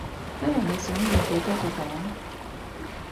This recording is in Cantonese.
今日你想要幾多個袋？